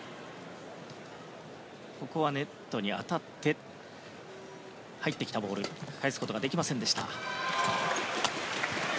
ここはネットに当たって入ってきたボール返すことができませんでした。